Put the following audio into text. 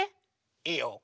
いいよ。